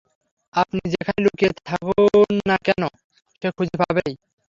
আপনি যেখানেই লুকিয়ে থাকুন না কেন, সে খুঁজে পাবেই।